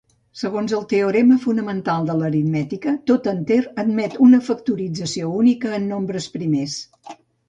Segons el teorema fonamental de l'aritmètica, tot enter admet una factorització única en nombres primers.